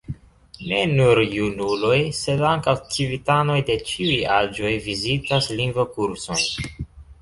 Ne nur junuloj, sed ankaŭ civitanoj de ĉiuj aĝoj vizitas lingvokursojn.